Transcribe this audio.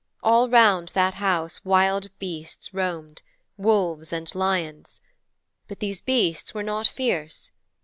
All round that house wild beasts roamed wolves and lions. But these beasts were not fierce.